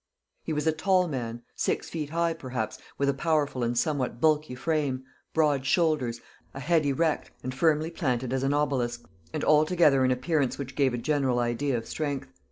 He was a tall man, six feet high perhaps, with a powerful and somewhat bulky frame, broad shoulders, a head erect and firmly planted as an obelisk, and altogether an appearance which gave a general idea of strength.